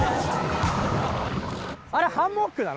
あれハンモックなの？